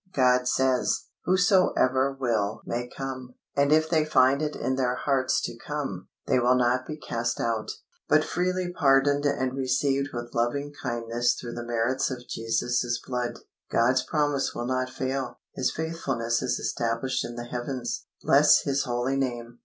God says, "Whosoever will may come"; and if they find it in their hearts to come, they will not be cast out, but freely pardoned and received with loving kindness through the merits of Jesus' blood. God's promise will not fail, His faithfulness is established in the heavens. Bless His holy name!